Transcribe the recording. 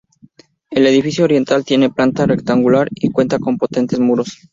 El edificio oriental tiene planta rectangular y cuenta con potentes muros.